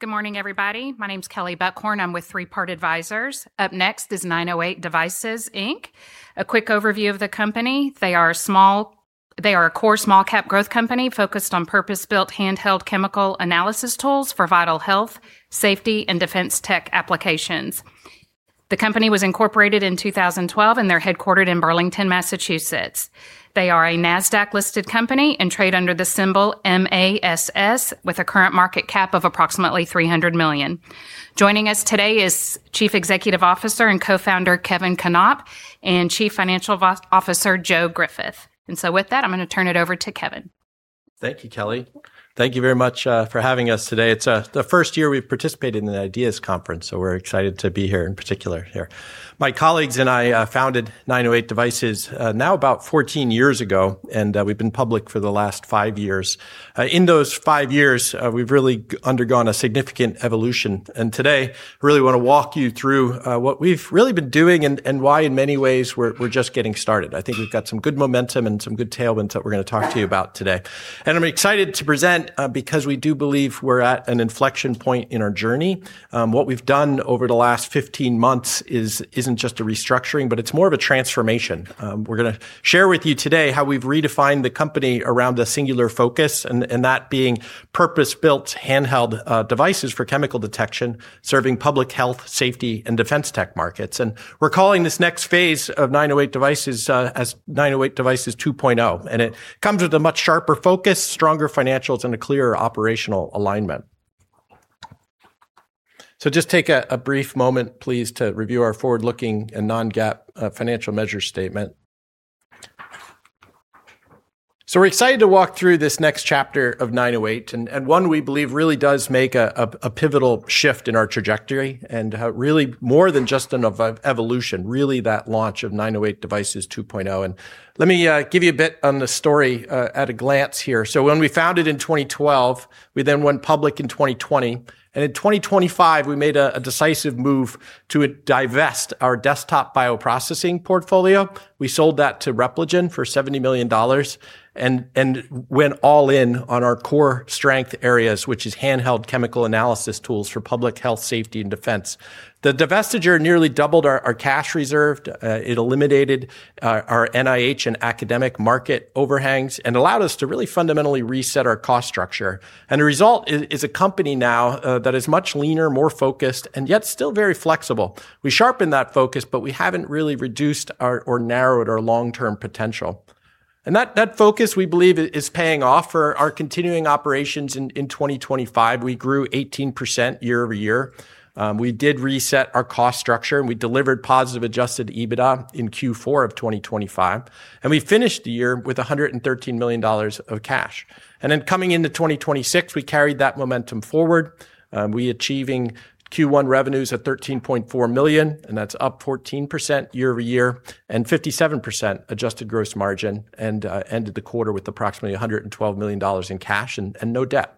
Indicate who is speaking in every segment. Speaker 1: Good morning, everybody. My name's Kelly Buchhorn. I'm with Three Part Advisors. Up next is 908 Devices Inc. A quick overview of the company, they are a core small cap growth company focused on purpose-built handheld chemical analysis tools for vital health, safety, and defense tech applications. The company was incorporated in 2012, and they're headquartered in Burlington, Massachusetts. They are a NASDAQ-listed company and trade under the symbol MASS, with a current market cap of approximately $300 million. Joining us today is Chief Executive Officer and Co-founder, Kevin Knopp, and Chief Financial Officer, Joe Griffith. With that, I'm going to turn it over to Kevin.
Speaker 2: Thank you, Kelly. Thank you very much for having us today. It's the first year we've participated in the IDEAS Conference, we're excited to be here in particular here. My colleagues and I founded 908 Devices now about 14 years ago, we've been public for the last five years. In those five years, we've really undergone a significant evolution, and today really want to walk you through what we've really been doing and why, in many ways, we're just getting started. I think we've got some good momentum and some good tailwinds that we're going to talk to you about today. I'm excited to present because we do believe we're at an inflection point in our journey. What we've done over the last 15 months isn't just a restructuring, it's more of a transformation. We're going to share with you today how we've redefined the company around a singular focus, and that is being purpose-built handheld devices for chemical detection, serving public health, safety, and defense tech markets. We're calling this next phase of 908 Devices as 908 Devices 2.0, and it comes with a much sharper focus, stronger financials, and a clearer operational alignment. Just take a brief moment, please, to review our forward-looking and non-GAAP financial measure statement. We're excited to walk through this next chapter of 908, and one we believe really does make a pivotal shift in our trajectory and really more than just an evolution, really that launch of 908 Devices 2.0. Let me give you a bit on the story at a glance here. When we founded in 2012, we then went public in 2020, and in 2025, we made a decisive move to divest our desktop bioprocessing portfolio. We sold that to Repligen for $70 million and went all in on our core strength areas, which is handheld chemical analysis tools for public health, safety, and defense. The divestiture nearly doubled our cash reserve. It eliminated our NIH and academic market overhangs and allowed us to really fundamentally reset our cost structure. The result is a company now that is much leaner, more focused, and yet still very flexible. We sharpened that focus, we haven't really reduced or narrowed our long-term potential. That focus, we believe, is paying off for our continuing operations. In 2025, we grew 18% year-over-year. We did reset our cost structure, we delivered positive adjusted EBITDA in Q4 of 2025, and we finished the year with $113 million of cash. Coming into 2026, we carried that momentum forward, we achieving Q1 revenues at $13.4 million, and that's up 14% year-over-year and 57% adjusted gross margin and ended the quarter with approximately $112 million in cash and no debt.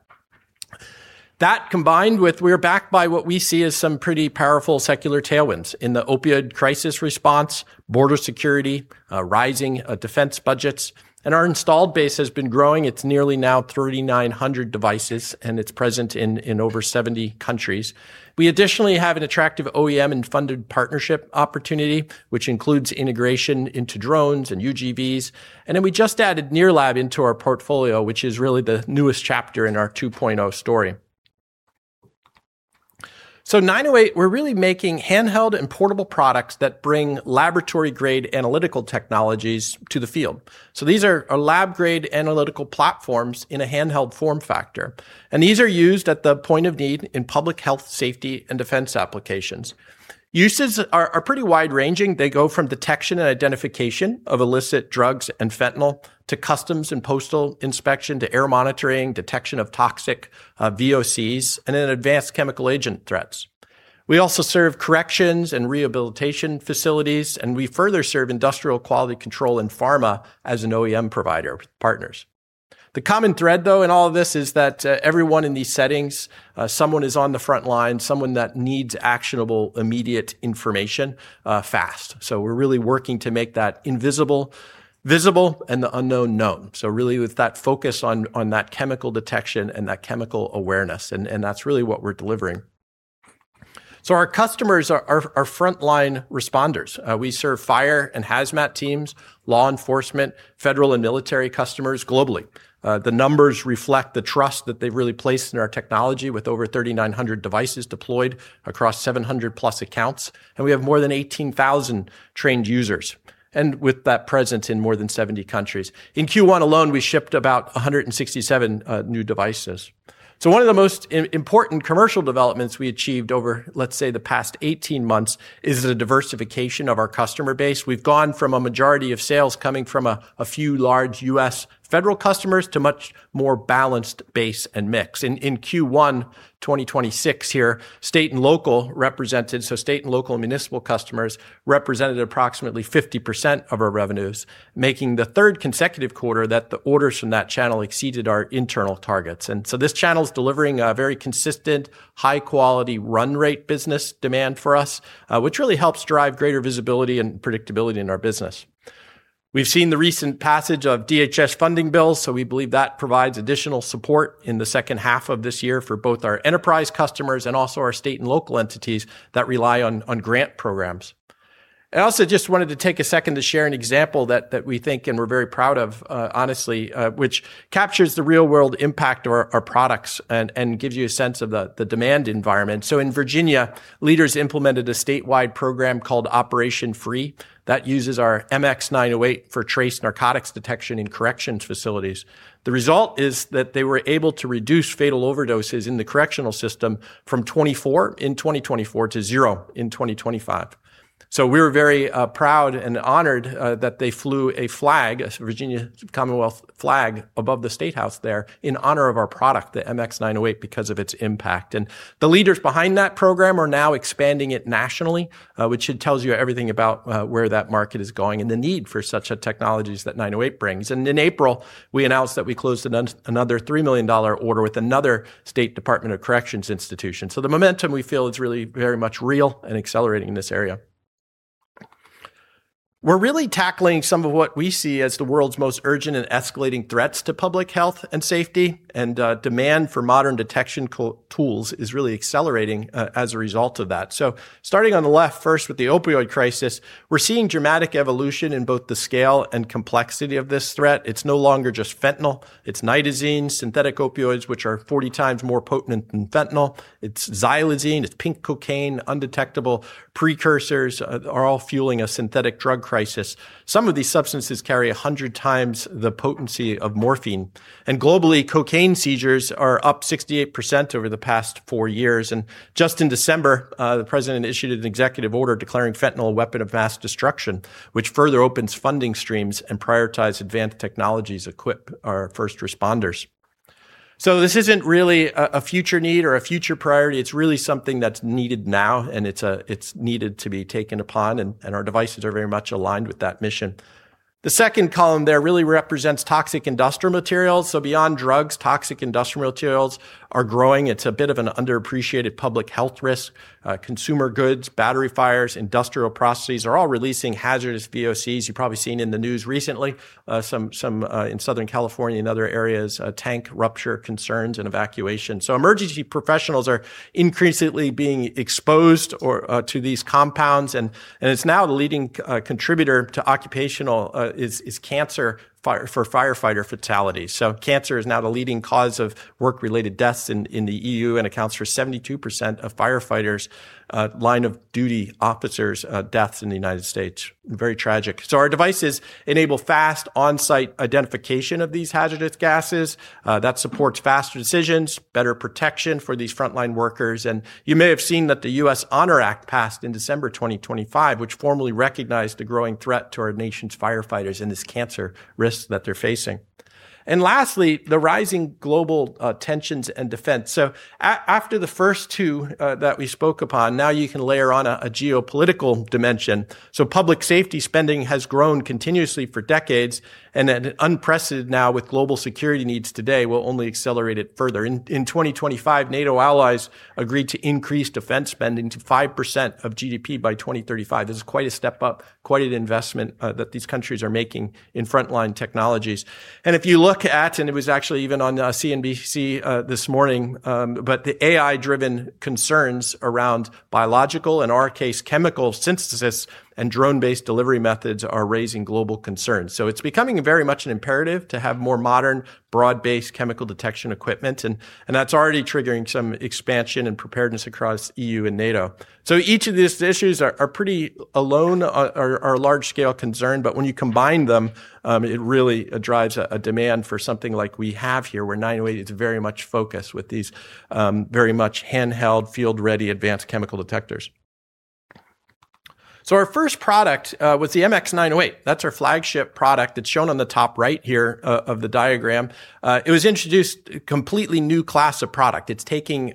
Speaker 2: That, combined with we are backed by what we see as some pretty powerful secular tailwinds in the opioid crisis response, border security, rising defense budgets, and our installed base has been growing. It's nearly now 3,900 devices, and it's present in over 70 countries. We additionally have an attractive OEM and funded partnership opportunity, which includes integration into drones and UGVs. We just added NIRLAB into our portfolio, which is really the newest chapter in our 2.0 story. 908, we're really making handheld and portable products that bring laboratory-grade analytical technologies to the field. These are lab-grade analytical platforms in a handheld form factor, and these are used at the point of need in public health, safety, and defense applications. Uses are pretty wide-ranging. They go from detection and identification of illicit drugs and fentanyl to customs and postal inspection, to air monitoring, detection of toxic VOCs, and in advanced chemical agent threats. We also serve corrections and rehabilitation facilities, and we further serve industrial quality control and pharma as an OEM provider partners. The common thread, though, in all of this is that everyone in these settings, someone is on the front line, someone that needs actionable, immediate information fast. We're really working to make that invisible visible and the unknown known. Really with that focus on that chemical detection and that chemical awareness, and that's really what we're delivering. Our customers are frontline responders. We serve fire and HAZMAT teams, law enforcement, federal and military customers globally. The numbers reflect the trust that they've really placed in our technology, with over 3,900 devices deployed across 700+ accounts, and we have more than 18,000 trained users, and with that presence in more than 70 countries. In Q1 alone, we shipped about 167 new devices. One of the most important commercial developments we achieved over, let's say, the past 18 months is the diversification of our customer base. We've gone from a majority of sales coming from a few large U.S. federal customers to much more balanced base and mix. In Q1 2026 here, state and local municipal customers represented approximately 50% of our revenues, making the third consecutive quarter that the orders from that channel exceeded our internal targets. This channel's delivering a very consistent, high-quality run rate business demand for us, which really helps drive greater visibility and predictability in our business. We've seen the recent passage of DHS funding bills. We believe that provides additional support in the second half of this year for both our enterprise customers and also our state and local entities that rely on grant programs. I also just wanted to take a second to share an example that we think and we're very proud of, honestly, which captures the real-world impact of our products and gives you a sense of the demand environment. In Virginia, leaders implemented a statewide program called Operation FREE that uses our MX908 for trace narcotics detection in corrections facilities. The result is that they were able to reduce fatal overdoses in the correctional system from 24 in 2024 to zero in 2025. We're very proud and honored that they flew a flag, a Virginia Commonwealth flag above the State House there in honor of our product, the MX908, because of its impact. The leaders behind that program are now expanding it nationally, which tells you everything about where that market is going and the need for such a technology that 908 brings. In April, we announced that we closed another $3 million order with another state Department of Corrections institution. The momentum we feel is really very much real and accelerating in this area. We're really tackling some of what we see as the world's most urgent and escalating threats to public health and safety, demand for modern detection tools is really accelerating as a result of that. Starting on the left first with the opioid crisis, we're seeing dramatic evolution in both the scale and complexity of this threat. It's no longer just fentanyl. It's nitazenes, synthetic opioids, which are 40x more potent than fentanyl. It's xylazine. It's pink cocaine. Undetectable precursors are all fueling a synthetic drug crisis. Some of these substances carry 100x the potency of morphine. Globally, cocaine seizures are up 68% over the past four years. Just in December, the president issued an executive order declaring fentanyl a weapon of mass destruction, which further opens funding streams and prioritize advanced technologies to equip our first responders. This isn't really a future need or a future priority. It's really something that's needed now, it's needed to be taken upon, and our devices are very much aligned with that mission. The second column there really represents toxic industrial materials. Beyond drugs, toxic industrial materials are growing. It's a bit of an underappreciated public health risk. Consumer goods, battery fires, industrial processes are all releasing hazardous VOCs. You've probably seen in the news recently, some in Southern California and other areas, tank rupture concerns and evacuations. Emergency professionals are increasingly being exposed to these compounds, and it's now the leading contributor to occupational, is cancer for firefighter fatalities. Cancer is now the leading cause of work-related deaths in the E.U. and accounts for 72% of firefighters line of duty officers deaths in the U.S. Very tragic. Our devices enable fast onsite identification of these hazardous gases. That supports faster decisions, better protection for these frontline workers. You may have seen that the U.S. Honor Act passed in December 2025, which formally recognized the growing threat to our nation's firefighters and this cancer risk that they're facing. Lastly, the rising global tensions and defense. After the first two that we spoke upon, now you can layer on a geopolitical dimension. Public safety spending has grown continuously for decades, and unprecedented now with global security needs today will only accelerate it further. In 2025, NATO allies agreed to increase defense spending to 5% of GDP by 2035. This is quite a step up, quite an investment that these countries are making in frontline technologies. If you look at, it was actually even on CNBC this morning, the AI-driven concerns around biological, in our case, chemical synthesis and drone-based delivery methods are raising global concerns. It is becoming very much an imperative to have more modern, broad-based chemical detection equipment, and that is already triggering some expansion and preparedness across EU and NATO. Each of these issues are pretty alone, are a large-scale concern, but when you combine them, it really drives a demand for something like we have here, where 908 Devices is very much focused with these very much handheld, field-ready advanced chemical detectors. Our first product was the MX908. That is our flagship product that is shown on the top right here of the diagram. It was introduced a completely new class of product. It is taking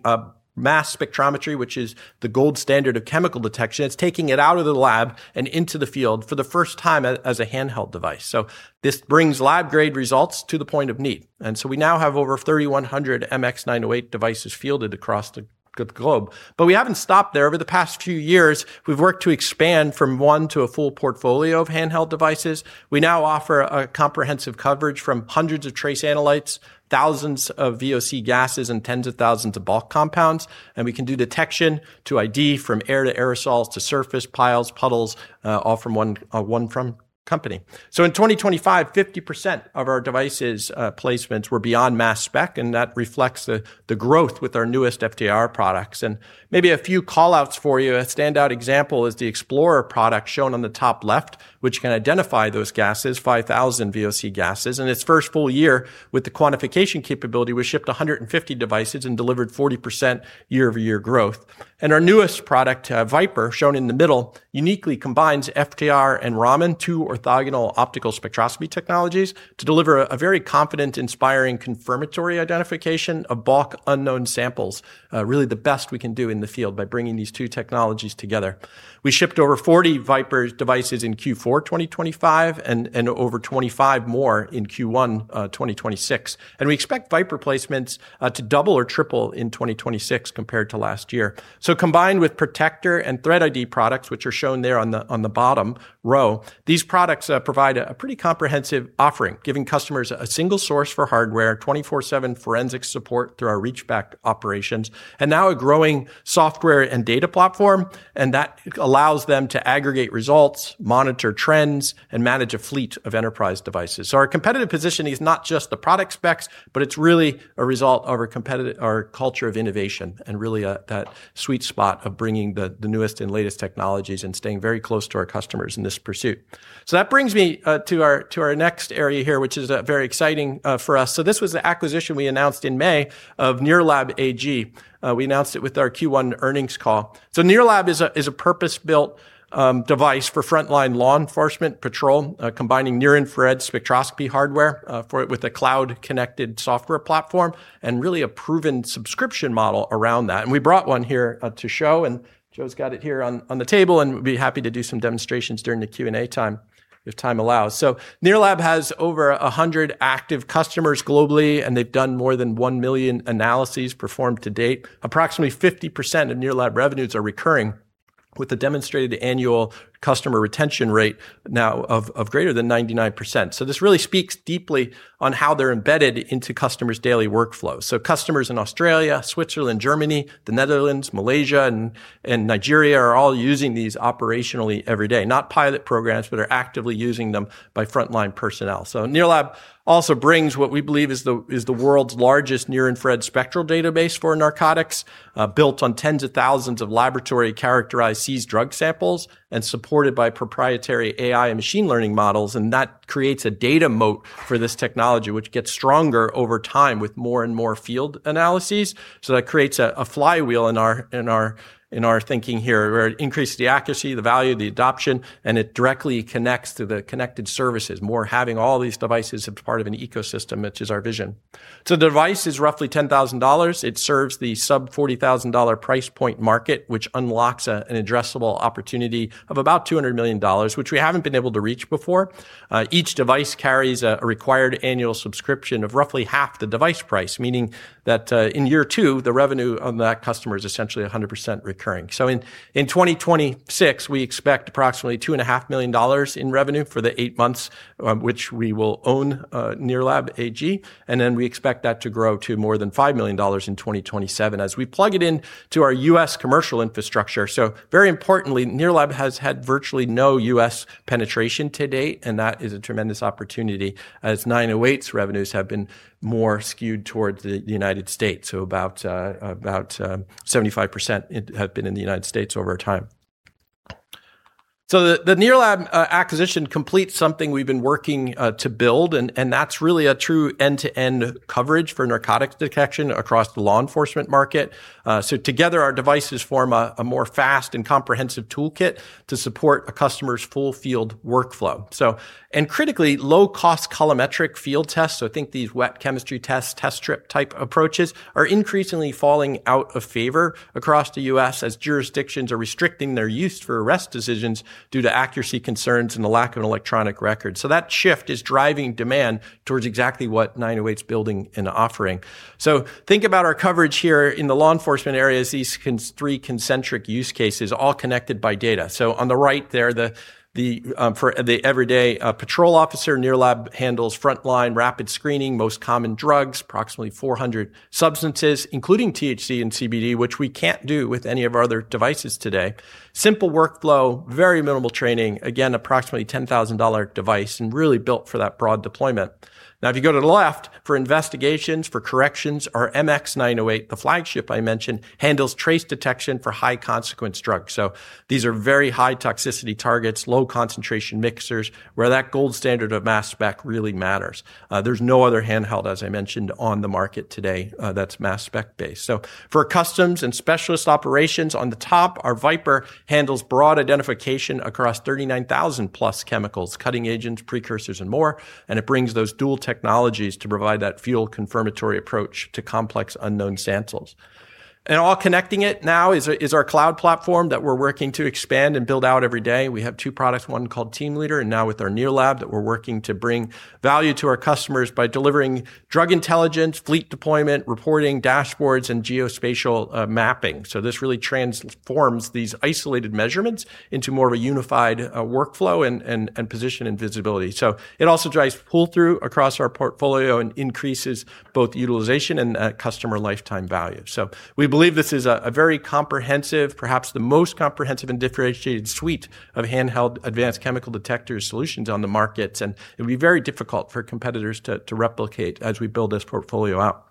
Speaker 2: mass spectrometry, which is the gold standard of chemical detection. It is taking it out of the lab and into the field for the first time as a handheld device. This brings lab-grade results to the point of need. We now have over 3,100 MX908 devices fielded across the globe, but we have not stopped there. Over the past few years, we have worked to expand from one to a full portfolio of handheld devices. We now offer comprehensive coverage from hundreds of trace analytes, thousands of VOC gases, and tens of thousands of bulk compounds. We can do detection to ID, from air to aerosols, to surface, piles, puddles, all from one company. In 2025, 50% of our devices placements were beyond mass spec, and that reflects the growth with our newest FTIR products. Maybe a few call-outs for you, a standout example is the XplorIR product shown on the top left, which can identify those gases, 5,000 VOC gases. In its first full year with the quantification capability, we shipped 150 devices and delivered 40% year-over-year growth. Our newest product, VipIR, shown in the middle, uniquely combines FTIR and Raman, two orthogonal optical spectroscopy technologies, to deliver a very confident, inspiring confirmatory identification of bulk unknown samples. Really the best we can do in the field by bringing these two technologies together. We shipped over 40 VipIR devices in Q4 2025 and over 25 more in Q1 2026. We expect VipIR placements to double or triple in 2026 compared to last year. Combined with ProtectIR and ThreatID products, which are shown there on the bottom row, these products provide a pretty comprehensive offering, giving customers a single source for hardware, 24/7 forensic support through our reachback operations, and now a growing software and data platform, and that allows them to aggregate results, monitor trends, and manage a fleet of enterprise devices. Our competitive positioning is not just the product specs, but it is really a result of our culture of innovation and really that sweet spot of bringing the newest and latest technologies and staying very close to our customers in this pursuit. That brings me to our next area here, which is very exciting for us. This was the acquisition we announced in May of NIRLAB AG. We announced it with our Q1 earnings call. NIRLAB is a purpose-built device for frontline law enforcement patrol, combining near-infrared spectroscopy hardware with a cloud-connected software platform and really a proven subscription model around that. We brought one here to show, and Joe's got it here on the table and would be happy to do some demonstrations during the Q&A time, if time allows. NIRLAB has over 100 active customers globally, and they've done more than 1 million analyses performed to date. Approximately 50% of NIRLAB revenues are recurring with a demonstrated annual customer retention rate now of greater than 99%. This really speaks deeply on how they're embedded into customers' daily workflow. Customers in Australia, Switzerland, Germany, the Netherlands, Malaysia, and Nigeria are all using these operationally every day, not pilot programs, but are actively using them by frontline personnel. NIRLAB also brings what we believe is the world's largest NIR and FReD spectral database for narcotics, built on tens of thousands of laboratory characterized seized drug samples and supported by proprietary AI and machine learning models, and that creates a data moat for this technology, which gets stronger over time with more and more field analyses. That creates a flywheel in our thinking here, where it increases the accuracy, the value, the adoption, and it directly connects to the connected services, more having all these devices as part of an ecosystem, which is our vision. The device is roughly $10,000. It serves the sub-$40,000 price point market, which unlocks an addressable opportunity of about $200 million, which we haven't been able to reach before. Each device carries a required annual subscription of roughly half the device price, meaning that in year two, the revenue on that customer is essentially 100% recurring. In 2026, we expect approximately $2.5 million in revenue for the eight months, which we will own NIRLAB AG, and we expect that to grow to more than $5 million in 2027 as we plug it into our U.S. commercial infrastructure. Very importantly, NIRLAB has had virtually no U.S. penetration to date, and that is a tremendous opportunity as 908's revenues have been more skewed towards the United States, about 75% have been in the United States over time. The NIRLAB acquisition completes something we've been working to build, and that's really a true end-to-end coverage for narcotics detection across the law enforcement market. Together, our devices form a more fast and comprehensive toolkit to support a customer's full field workflow. Critically, low-cost colorimetric field tests, so think these wet chemistry tests, test strip type approaches, are increasingly falling out of favor across the U.S. as jurisdictions are restricting their use for arrest decisions due to accuracy concerns and the lack of an electronic record. That shift is driving demand towards exactly what 908's building and offering. Think about our coverage here in the law enforcement areas, these three concentric use cases, all connected by data. On the right there, for the everyday patrol officer, NIRLAB handles frontline rapid screening, most common drugs, approximately 400 substances, including THC and CBD, which we can't do with any of our other devices today. Simple workflow, very minimal training, again, approximately $10,000 device, and really built for that broad deployment. If you go to the left, for investigations, for corrections, our MX908, the flagship I mentioned, handles trace detection for high consequence drugs. These are very high toxicity targets, low concentration mixtures, where that gold standard of mass spec really matters. There's no other handheld, as I mentioned, on the market today that's mass spec based. For customs and specialist operations, on the top, our VipIR handles broad identification across 39,000+ chemicals, cutting agents, precursors, and more, and it brings those dual technologies to provide that field confirmatory approach to complex unknown samples. All connecting it now is our cloud platform that we're working to expand and build out every day. We have two products, one called Team Leader, and now with our NIRLAB, that we're working to bring value to our customers by delivering drug intelligence, fleet deployment, reporting, dashboards, and geospatial mapping. This really transforms these isolated measurements into more of a unified workflow and position and visibility. It also drives pull-through across our portfolio and increases both utilization and customer lifetime value. We believe this is a very comprehensive, perhaps the most comprehensive and differentiated suite of handheld advanced chemical detectors solutions on the market, and it would be very difficult for competitors to replicate as we build this portfolio out.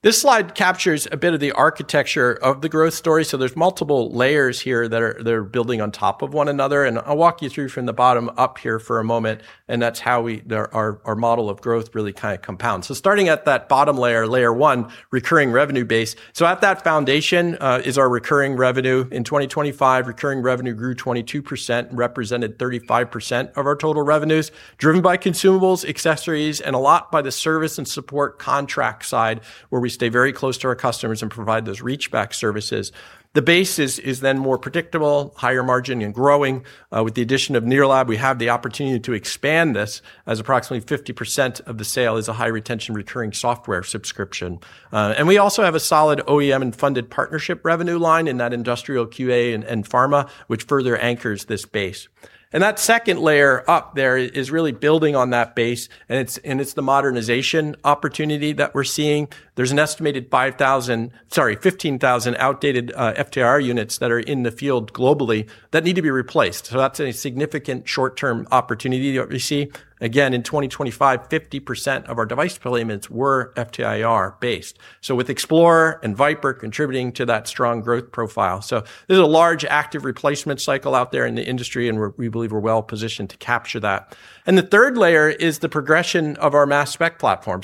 Speaker 2: This slide captures a bit of the architecture of the growth story. There's multiple layers here that are building on top of one another, and I'll walk you through from the bottom up here for a moment, and that's how our model of growth really kind of compounds. Starting at that bottom layer one, recurring revenue base. At that foundation, is our recurring revenue. In 2025, recurring revenue grew 22%, represented 35% of our total revenues, driven by consumables, accessories, and a lot by the service and support contract side, where we stay very close to our customers and provide those reach-back services. The base is then more predictable, higher margin, and growing. With the addition of NIRLAB, we have the opportunity to expand this, as approximately 50% of the sale is a high retention recurring software subscription. We also have a solid OEM and funded partnership revenue line in that industrial QA and pharma, which further anchors this base. That second layer up there is really building on that base, and it's the modernization opportunity that we're seeing. There's an estimated 15,000 outdated FTIR units that are in the field globally that need to be replaced. That's a significant short-term opportunity that we see. Again, in 2025, 50% of our device deployments were FTIR based, with XplorIR and VipIR contributing to that strong growth profile. There's a large active replacement cycle out there in the industry, and we believe we're well-positioned to capture that. The third layer is the progression of our mass spec platform.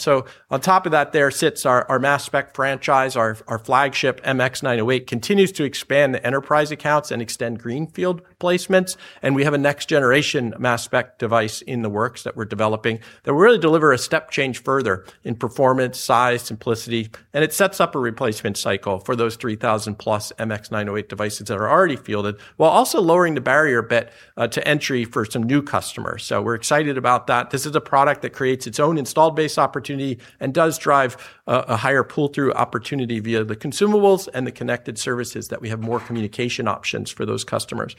Speaker 2: On top of that, there sits our mass spec franchise, our flagship MX908 continues to expand the enterprise accounts and extend greenfield placements. We have a next generation mass spec device in the works that we're developing that will really deliver a step change further in performance, size, simplicity, and it sets up a replacement cycle for those 3,000+ MX908 devices that are already fielded, while also lowering the barrier a bit to entry for some new customers. We're excited about that. This is a product that creates its own installed base opportunity and does drive a higher pull-through opportunity via the consumables and the connected services that we have more communication options for those customers.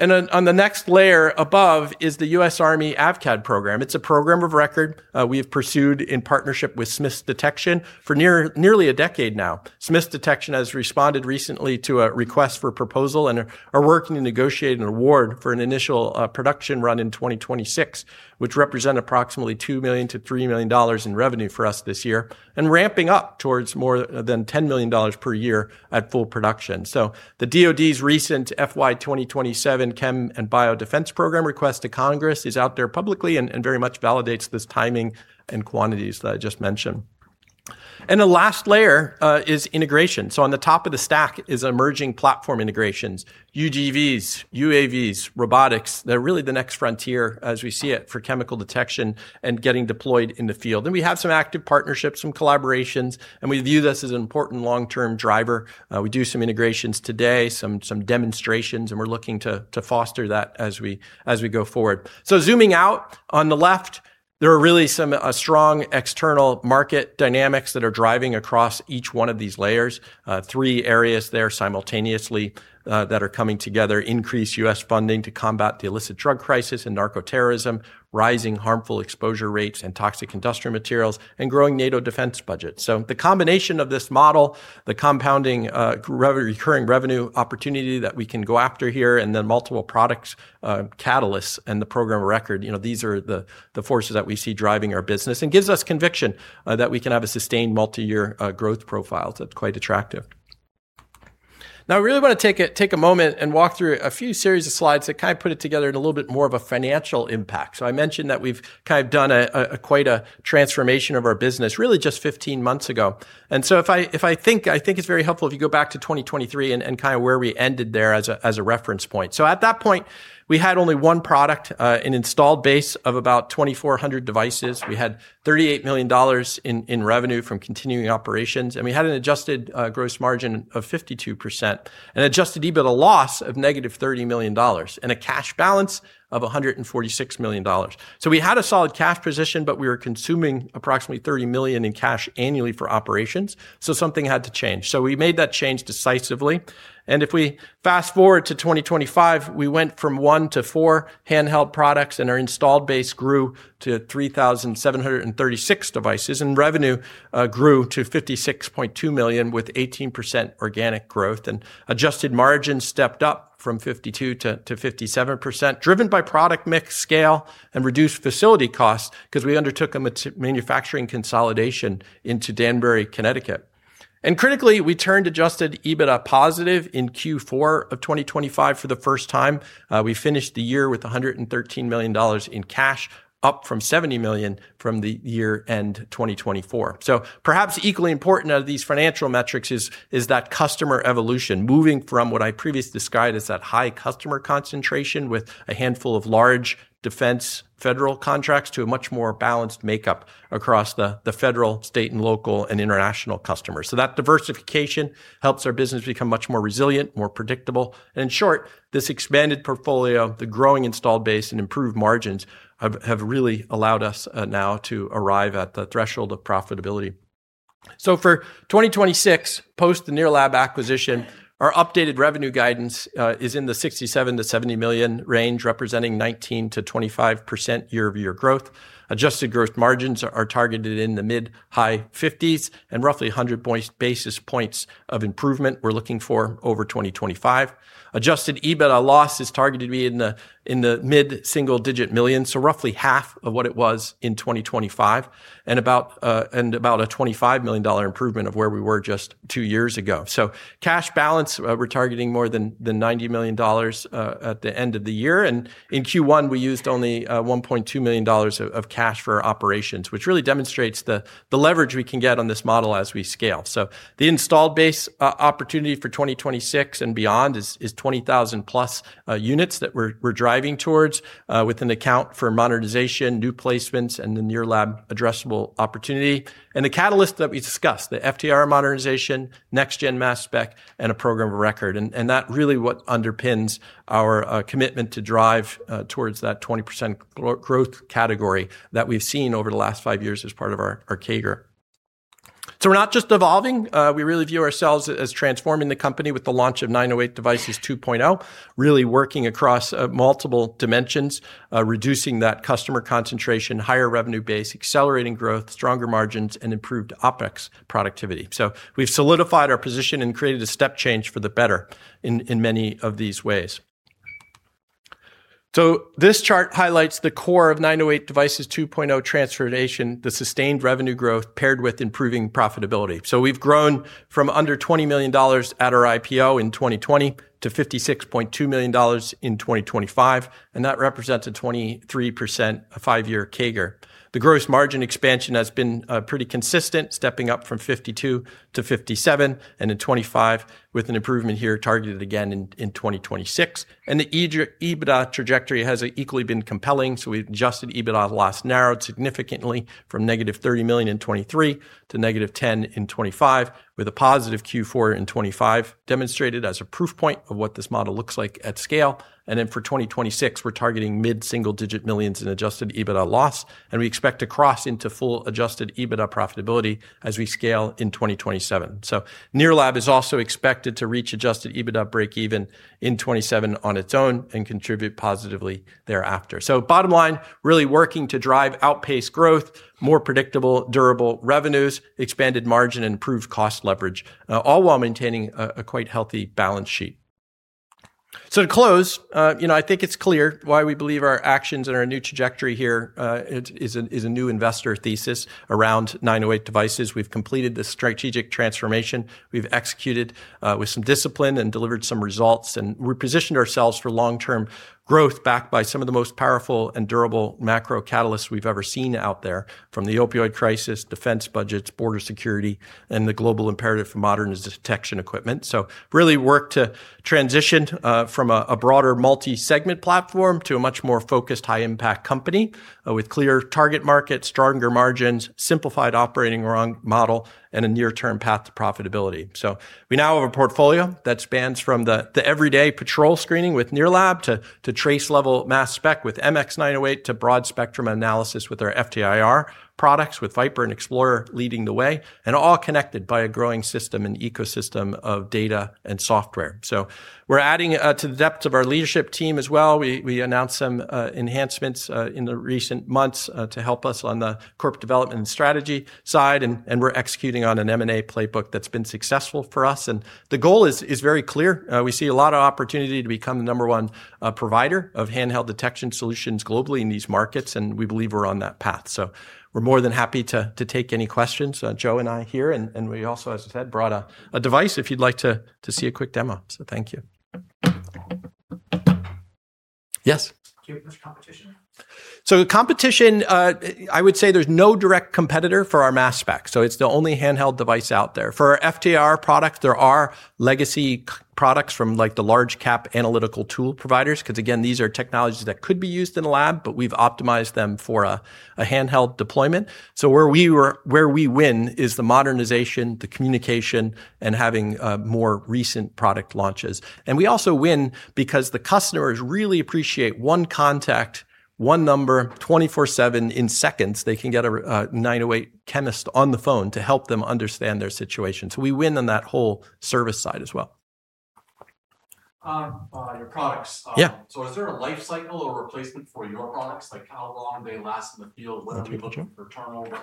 Speaker 2: On the next layer above is the U.S. Army AVCAD program. It's a program of record we have pursued in partnership with Smiths Detection for nearly a decade now. Smiths Detection has responded recently to a request for proposal and are working to negotiate an award for an initial production run in 2026, which represent approximately $2 million-$3 million in revenue for us this year, and ramping up towards more than $10 million per year at full production. The DOD's recent FY 2027 Chem and Biodefense program request to Congress is out there publicly and very much validates this timing and quantities that I just mentioned. The last layer is integration. On the top of the stack is emerging platform integrations, UGVs, UAVs, robotics. They're really the next frontier, as we see it, for chemical detection and getting deployed in the field. We have some active partnerships, some collaborations, and we view this as an important long-term driver. We do some integrations today, some demonstrations, and we're looking to foster that as we go forward. Zooming out, on the left, there are really some strong external market dynamics that are driving across each one of these layers. Three areas there simultaneously that are coming together, increased U.S. funding to combat the illicit drug crisis and narco terrorism, rising harmful exposure rates and toxic industrial materials, and growing NATO defense budgets. The combination of this model, the compounding recurring revenue opportunity that we can go after here, and then multiple products, catalysts, and the program of record, these are the forces that we see driving our business and gives us conviction that we can have a sustained multi-year growth profile that's quite attractive. Now, I really want to take a moment and walk through a few series of slides that put it together in a little bit more of a financial impact. I mentioned that we've done quite a transformation of our business, really just 15 months ago. I think it's very helpful if you go back to 2023 and where we ended there as a reference point. At that point, we had only one product, an installed base of about 2,400 devices. We had $38 million in revenue from continuing operations, and we had an adjusted gross margin of 52% and adjusted EBITDA loss of -$30 million, and a cash balance of $146 million. We had a solid cash position, but we were consuming approximately $30 million in cash annually for operations, something had to change. We made that change decisively. If we fast-forward to 2025, we went from one to four handheld products, and our installed base grew to 3,736 devices, and revenue grew to $56.2 million with 18% organic growth. Adjusted margins stepped up from 52% to 57%, driven by product mix, scale, and reduced facility costs because we undertook a manufacturing consolidation into Danbury, Connecticut. Critically, we turned adjusted EBITDA positive in Q4 of 2025 for the first time. We finished the year with $113 million in cash, up from $70 million from the year-end 2024. Perhaps equally important out of these financial metrics is that customer evolution, moving from what I previously described as that high customer concentration with a handful of large defense federal contracts to a much more balanced makeup across the federal, state, and local, and international customers. That diversification helps our business become much more resilient, more predictable. In short, this expanded portfolio, the growing installed base, and improved margins, have really allowed us now to arrive at the threshold of profitability. For 2026, post the NIRLAB acquisition, our updated revenue guidance is in the $67 million-$70 million range, representing 19%-25% year-over-year growth. Adjusted growth margins are targeted in the mid high 50% and roughly 100 basis points of improvement we're looking for over 2025. Adjusted EBITDA loss is targeted to be in the mid single-digit million, roughly half of what it was in 2025 and about a $25 million improvement of where we were just two years ago. Cash balance, we're targeting more than $90 million at the end of the year. In Q1, we used only $1.2 million of cash for our operations, which really demonstrates the leverage we can get on this model as we scale. The installed base opportunity for 2026 and beyond is 20,000+ units that we're driving towards with an account for monetization, new placements, and the NIRLAB addressable opportunity. The catalyst that we discussed, the FTIR modernization, next gen mass spec, and a program of record. That really what underpins our commitment to drive towards that 20% growth category that we've seen over the last five years as part of our CAGR. We're not just evolving. We really view ourselves as transforming the company with the launch of 908 Devices 2.0, really working across multiple dimensions, reducing that customer concentration, higher revenue base, accelerating growth, stronger margins, and improved OpEx productivity. We've solidified our position and created a step change for the better in many of these ways. This chart highlights the core of 908 Devices 2.0 transformation, the sustained revenue growth paired with improving profitability. We've grown from under $20 million at our IPO in 2020 to $56.2 million in 2025, and that represents a 23% five-year CAGR. The gross margin expansion has been pretty consistent, stepping up from 52% to 57% in 2025, with an improvement here targeted again in 2026. The EBITDA trajectory has equally been compelling, we've adjusted EBITDA loss narrowed significantly from -$30 million in 2023 to -$10 million in 2025, with a positive Q4 in 2025 demonstrated as a proof point of what this model looks like at scale. For 2026, we're targeting mid single-digit millions in adjusted EBITDA loss, and we expect to cross into full adjusted EBITDA profitability as we scale in 2027. NIRLAB is also expected to reach adjusted EBITDA breakeven in 2027 on its own and contribute positively thereafter. Bottom line, really working to drive outpaced growth, more predictable, durable revenues, expanded margin, improved cost leverage, all while maintaining a quite healthy balance sheet. To close, I think it's clear why we believe our actions and our new trajectory here is a new investor thesis around 908 Devices. We've completed the strategic transformation, we've executed with some discipline and delivered some results, and we positioned ourselves for long-term growth backed by some of the most powerful and durable macro catalysts we've ever seen out there, from the opioid crisis, defense budgets, border security, and the global imperative for modern detection equipment. Really worked to transition from a broader multi-segment platform to a much more focused high-impact company, with clear target markets, stronger margins, simplified operating model, and a near-term path to profitability. We now have a portfolio that spans from the everyday patrol screening with NIRLAB, to trace level mass spec with MX908, to broad spectrum analysis with our FTIR products, with VipIR and XplorIR leading the way, and all connected by a growing system and ecosystem of data and software. We're adding to the depth of our leadership team as well. We announced some enhancements in the recent months to help us on the corporate development and strategy side, and we're executing on an M&A playbook that's been successful for us. The goal is very clear. We see a lot of opportunity to become the number oneprovider of handheld detection solutions globally in these markets, and we believe we're on that path. We're more than happy to take any questions, Joe and I here. We also, as I said, brought a device if you'd like to see a quick demo. Thank you. Yes.
Speaker 3: Do you have much competition?
Speaker 2: The competition, I would say there's no direct competitor for our mass spec, it's the only handheld device out there. For our FTIR product, there are legacy products from the large cap analytical tool providers, because again, these are technologies that could be used in a lab, but we've optimized them for a handheld deployment. Where we win is the modernization, the communication, and having more recent product launches. We also win because the customers really appreciate one contact, one number, 24/7. In seconds, they can get a 908 chemist on the phone to help them understand their situation. We win on that whole service side as well.
Speaker 3: On your products. Is there a life cycle or replacement for your products? Like how long they last in the field people look for turnover?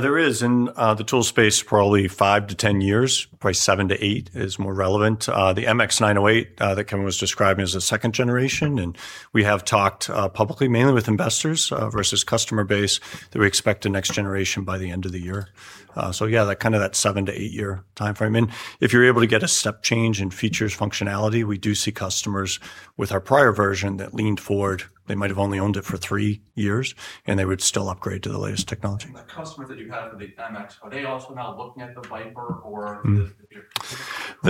Speaker 4: There is, in the tool space, probably 5-10 years, probably seven to eight is more relevant. The MX908 that Kevin was describing is a second generation, and we have talked publicly, mainly with investors versus customer base, that we expect a next generation by the end of the year. Yeah, that seven to eight year timeframe. If you're able to get a step change in features, functionality, we do see customers with our prior version that leaned forward, they might have only owned it for three years, and they would still upgrade to the latest technology.
Speaker 3: The customers that you have for the MX908, are they also now looking at the VipIR or the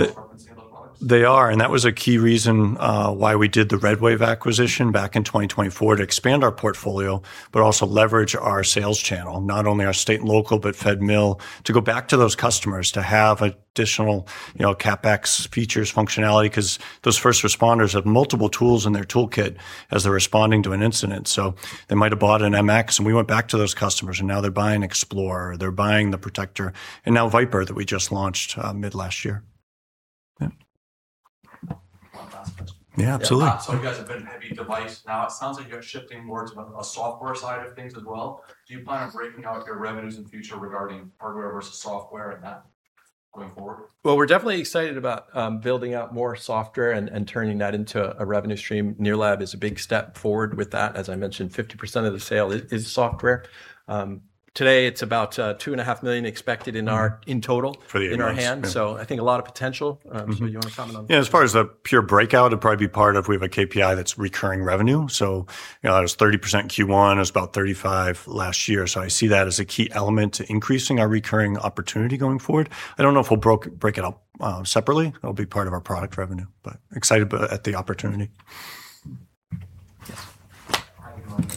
Speaker 3: performance of those products?
Speaker 4: They are, that was a key reason why we did the RedWave Technology acquisition back in 2024 to expand our portfolio, but also leverage our sales channel, not only our state and local, but Fed/Mil, to go back to those customers to have additional CapEx features, functionality, because those first responders have multiple tools in their toolkit as they're responding to an incident. They might have bought an MX, and we went back to those customers, and now they're buying XplorIR, they're buying the ProtectIR, and now VipIR, that we just launched mid last year. Yeah.
Speaker 3: One last question.
Speaker 4: Yeah, absolutely.
Speaker 3: Yeah. You guys have been a heavy device. Now it sounds like you're shifting more to a software side of things as well. Do you plan on breaking out your revenues in future regarding hardware versus software and that going forward?
Speaker 2: Well, we're definitely excited about building out more software and turning that into a revenue stream. NIRLAB is a big step forward with that. As I mentioned, 50% of the sale is software. Today, it's about $2.5 million expected in total in our hands, so I think a lot of potential. You want to comment on?
Speaker 4: As far as the pure breakout, it'd probably be part of, we have a KPI that's recurring revenue. That was 30% Q1, it was about 35% last year. I see that as a key element to increasing our recurring opportunity going forward. I don't know if we'll break it up separately. It'll be part of our product revenue, but excited at the opportunity.
Speaker 2: Yes.
Speaker 5: How you doing?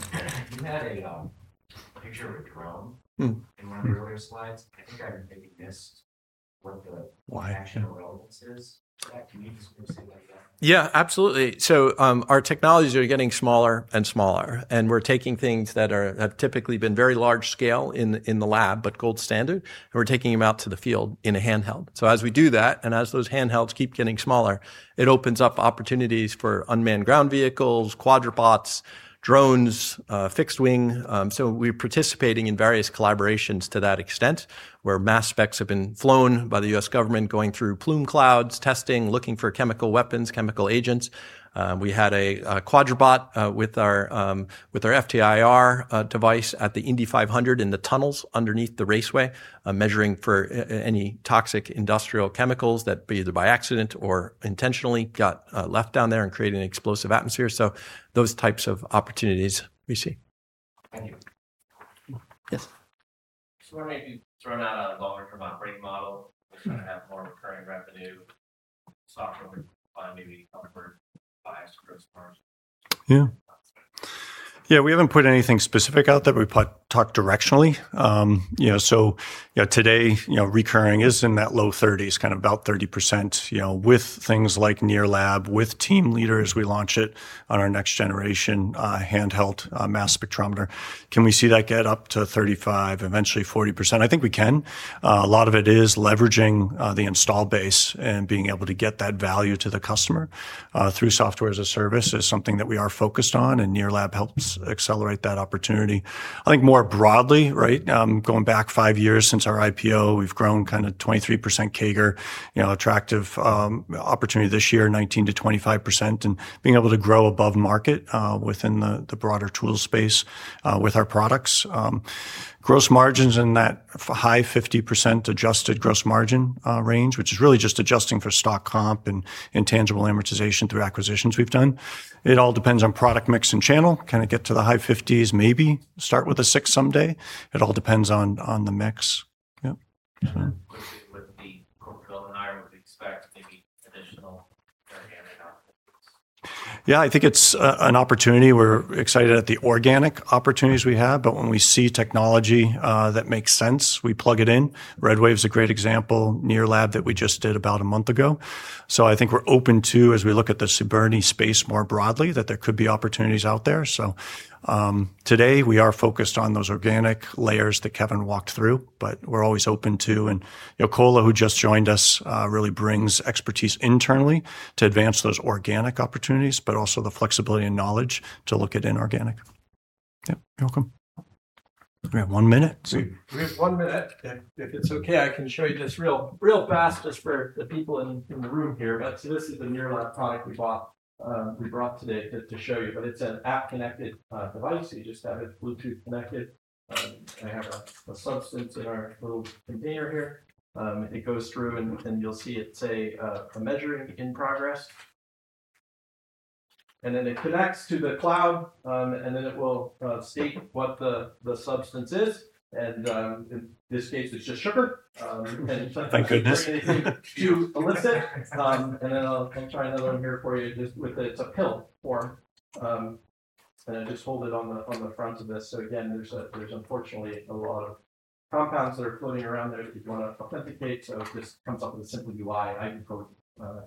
Speaker 5: You had a picture of a drone in one of the earlier slides. I think I maybe missed what the action or relevance is to that? Can you just speak to that a bit?
Speaker 2: Absolutely. Our technologies are getting smaller and smaller, and we're taking things that have typically been very large scale in the lab, but gold standard, and we're taking them out to the field in a handheld. As we do that, and as those handhelds keep getting smaller, it opens up opportunities for unmanned ground vehicles, quadru-bots, drones, fixed wing. We're participating in various collaborations to that extent, where mass specs have been flown by the U.S. government, going through plume clouds, testing, looking for chemical weapons, chemical agents. We had a quadru-bot with our FTIR device at the Indy 500 in the tunnels underneath the raceway, measuring for any toxic industrial chemicals that either by accident or intentionally got left down there and created an explosive atmosphere. Those types of opportunities we see.
Speaker 5: Thank you.
Speaker 2: Yes.
Speaker 6: Just wondering if you've thrown out a longer-term operating model, trying to have more recurring revenue, software maybe upward bias gross margins.
Speaker 4: We haven't put anything specific out there. We talk directionally. Today, recurring is in that low 30%, about 30%, with things like NIRLab, with Team Leader as we launch it on our next generation handheld mass spectrometer. Can we see that get up to 35%, eventually 40%? I think we can. A lot of it is leveraging the install base and being able to get that value to the customer, through Software as a Service is something that we are focused on, and NIRLab helps accelerate that opportunity. I think more broadly, going back five years since our IPO, we've grown 23% CAGR, attractive opportunity this year, 19%-25%, being able to grow above market, within the broader tool space, with our products. Gross margins in that high 50% adjusted gross margin range, which is really just adjusting for stock comp and intangible amortization through acquisitions we've done. It all depends on product mix and channel. Can it get to the high 50% maybe, start with a six someday? It all depends on the mix. Yep. Sure.
Speaker 6: expect maybe additional organic opportunities?
Speaker 4: Yeah, I think it's an opportunity. We're excited at the organic opportunities we have, but when we see technology that makes sense, we plug it in. RedWave's a great example, NIRLAB that we just did about a month ago. I think we're open too, as we look at the CBRNE space more broadly, that there could be opportunities out there. Today we are focused on those organic layers that Kevin walked through, but we're always open to, and Kola who just joined us, really brings expertise internally to advance those organic opportunities, but also the flexibility and knowledge to look at inorganic. Yep. Welcome. We have one minute.
Speaker 7: We have one minute, if it's okay, I can show you this real fast, just for the people in the room here. This is the NIRLAB product we bought, we brought today to show you. It's an app connected device, so you just have it Bluetooth connected. I have a substance in our little container here. It goes through you'll see it say, a measuring in progress. Then it connects to the cloud, then it will state what the substance is. In this case, it's just sugar.
Speaker 4: Thank goodness.
Speaker 7: Sometimes you bring anything to ellicit. I'll try another one here for you, just with a, it's a pill form. I just hold it on the front of this. There's unfortunately a lot of compounds that are floating around there that you'd want to authenticate. This comes up with a simple UI, an icon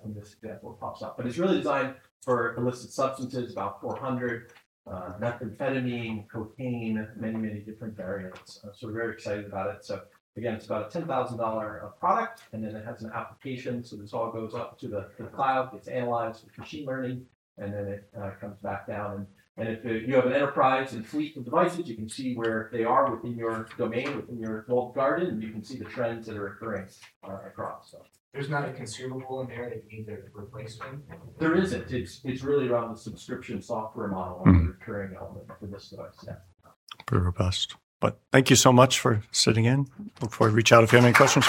Speaker 7: from this example pops up. It's really designed for illicit substances, about 400, methamphetamine, cocaine, many different variants. We're very excited about it. It's about a $10,000 product, and then it has an application. This all goes up to the cloud, gets analyzed with machine learning, and then it comes back down and, if you have an enterprise and fleet of devices, you can see where they are within your domain, within your walled garden, and you can see the trends that are occurring across.
Speaker 6: There's not a consumable in there that you need to replace them?
Speaker 7: There isn't. It's really around the subscription software model and the recurring element for this device. Yeah.
Speaker 4: Very robust, thank you so much for sitting in. Look forward to reach out if you have any questions.